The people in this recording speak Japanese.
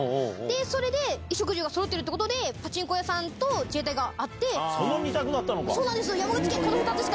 それで衣食住がそろってるということで、パチンコ屋さんと自衛隊その２択だったのか。